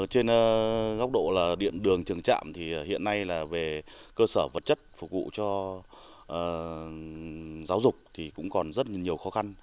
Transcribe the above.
trên góc độ là điện đường trường trạm thì hiện nay là về cơ sở vật chất phục vụ cho giáo dục thì cũng còn rất nhiều khó khăn